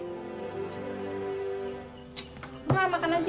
gua makan aja